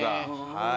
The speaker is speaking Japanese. はい。